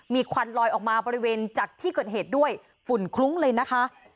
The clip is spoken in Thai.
มีควันลอยออกมาบริเวณจากที่เกิดเหตุด้วยฝุ่นคลุ้งเลยนะคะ